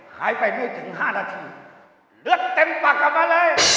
หายไปไม่ถึง๕นาทีเลือดเต็มปากกลับมาเลย